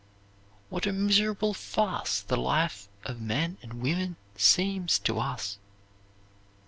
What a miserable farce the life of men and women seems to us!